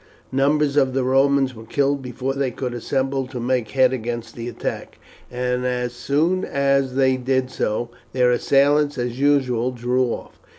Numbers of the Romans were killed before they could assemble to make head against the attack, and as soon as they did so their assailants as usual drew off.